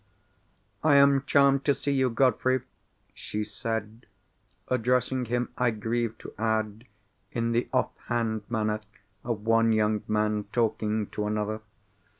"I am charmed to see you, Godfrey," she said, addressing him, I grieve to add, in the off hand manner of one young man talking to another.